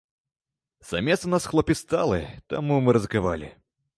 Самец у нас хлопец сталы, таму мы рызыкавалі.